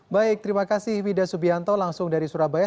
baik terima kasih wida subianto langsung dari surabaya